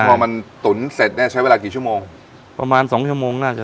พอมันตุ๋นเสร็จเนี้ยใช้เวลากี่ชั่วโมงประมาณสองชั่วโมงน่าจะ